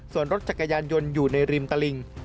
ส่วนรถจักรยานยนต์อยู่ในริมตะลิง